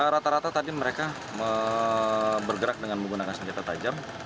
rata rata tadi mereka bergerak dengan menggunakan senjata tajam